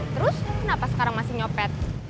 terus kenapa sekarang masih nyopet